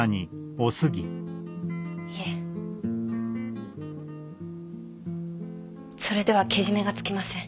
いえそれではけじめがつきません。